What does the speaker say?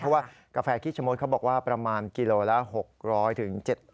เพราะว่ากาแฟขี้ชะมดเขาบอกว่าประมาณกิโลละ๖๐๐๗๐